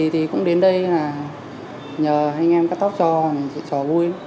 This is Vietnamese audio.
thì cũng đến đây là nhờ anh em cắt tóc cho vui